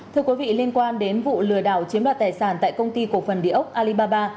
thưa quý vị liên quan đến vụ lừa đảo chiếm đoạt tài sản tại công ty cổ phần địa ốc alibaba